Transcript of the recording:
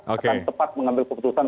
akan tepat mengambil keputusan